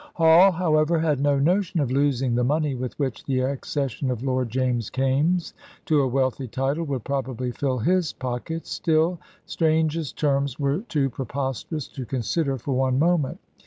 Hall, however, had no notion of losing the money with which the accession of Lord James Kaimes to a wealthy title would probably fill his pockets. Still, Strange's terms were too preposterous to consider for one moment.